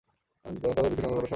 তবেই বৃক্ষ সংরক্ষণ করা সম্ভব হবে।